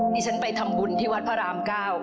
ดิฉันไปทำบุญที่วัดพระราม๙